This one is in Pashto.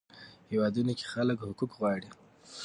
هیوادونو کې خلک حقوق غواړي.